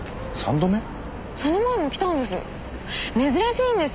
その前も来たんです。